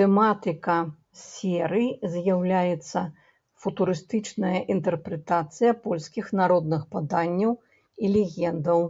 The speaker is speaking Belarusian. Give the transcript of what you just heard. Тэматыка серый з'яўляецца футурыстычная інтэрпрэтацыя польскіх народных паданняў і легендаў.